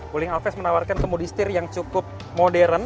wuling alves menawarkan kemudi stir yang cukup modern